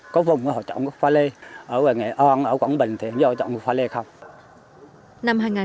có vùng là họ chọn cốc pha lê ở nghệ an ở quảng bình thì họ chọn cốc pha lê không